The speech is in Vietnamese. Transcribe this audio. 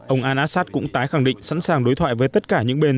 ông al assad cũng tái khẳng định sẵn sàng đối thoại với tất cả những bên